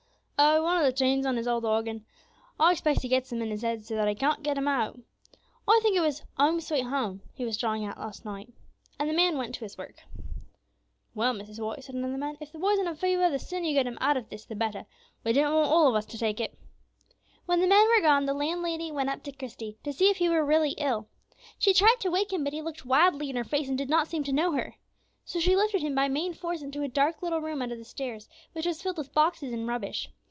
"Oh! one of the tunes on his old organ. I expect he gets them in his head so that he can't get them out. I think it was 'Home, sweet Home,' he was trying at last night;" and the man went to his work. "Well, Mrs. White," said another man, "if the boy's in a fever, the sooner you get him out of this the better; we don't want all of us to take it." When the men were gone, the landlady went up to Christie to see if he were really ill. She tried to wake him, but he looked wildly in her face, and did not seem to know her. So she lifted him by main force into a little dark room under the stairs, which was filled with boxes and rubbish.